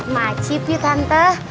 macip yuk tante